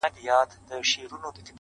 شر به شروع کړمه، در گډ ستا په اروا به سم